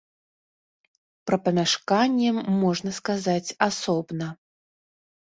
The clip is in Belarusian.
Пра памяшканне можна сказаць асобна.